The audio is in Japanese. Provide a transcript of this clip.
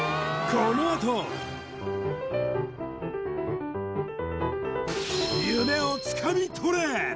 このあと夢をつかみ取れ！